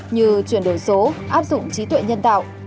như chuyển đổi số áp dụng trí tuệ nhân tạo